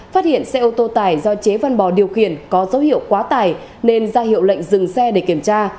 phát hiện xe ô tô tải do chế văn bò điều khiển có dấu hiệu quá tải nên ra hiệu lệnh dừng xe để kiểm tra